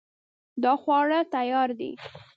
دا خواړه تیار دي